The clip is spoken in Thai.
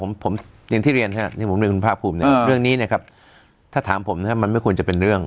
อย่างที่เรียนนะครับเรื่องนี้เนี่ยครับถ้าถามผมมันไม่ควรจะเป็นเรื่อง